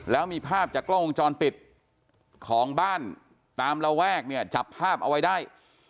แล้วมีภาพจากกล้องวงจรปิดของบ้านตามระแวกเนี่ยจับภาพเอาไว้ได้